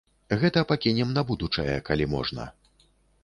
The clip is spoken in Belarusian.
Гэта пакінем на будучае, калі можна.